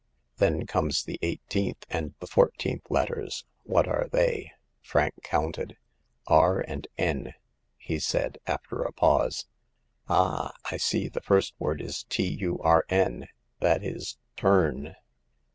Then come the eighteenth and the fourteenth letters. What are they ?" Frank counted. "* R ' and * N,' " he said, after a pause. " Ah ! I see the first word is T, U, R, N,— that is turn